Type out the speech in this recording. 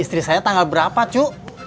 istri saya tanggal berapa cuk